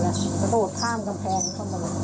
แล้วก็อดข้ามกำแพงเข้ามา